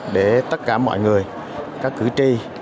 để tất cả mọi người các cử tri